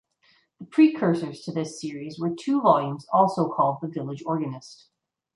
The precursors to this series were two volumes also called "The Village Organist".